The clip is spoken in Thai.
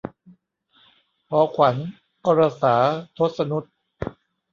หอขวัญ - อรสา ทศนุต